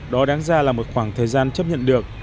đó đáng ra là một khoảng thời gian chấp nhận được